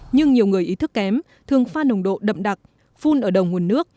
nhưng nhiều người ý thức kém thường pha nồng độ đậm đặc phun ở đầu nguồn nước